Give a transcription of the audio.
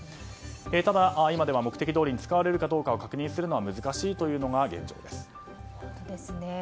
ただ、今では目的どおりに使われるか確認するのは難しいというのが現状です。